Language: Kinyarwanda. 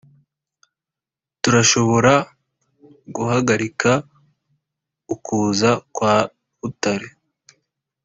turashobora guhagarika ukuza kwa rutare,